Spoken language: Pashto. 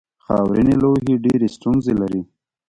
خاورینې لوحې ډېرې ستونزې لري.